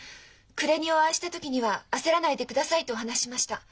暮れにお会いした時には「焦らないでください」とお話ししました。